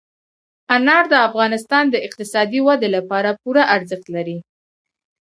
انار د افغانستان د اقتصادي ودې لپاره پوره ارزښت لري.